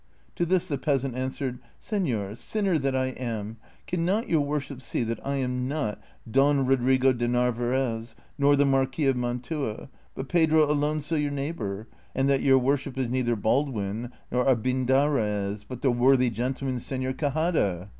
To this the peasant answered, " Senor — sinner that I am !— can not your worship see that I am not Don Eodrigo de Narvaez nor the Marquis of Mantua, but Pedro Alonso your neighbor, and that your worship is neither Baldwin nor Abindarraez, but the worthy gentleman Senor Quixada